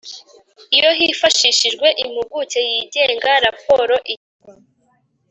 Iyo hifashishijwe impuguke yigenga raporo igezwa